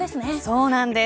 そうなんです。